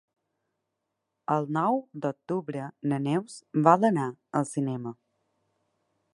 El nou d'octubre na Neus vol anar al cinema.